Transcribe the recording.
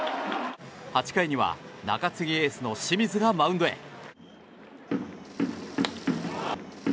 ８回には中継ぎエースの清水がマウンドへ。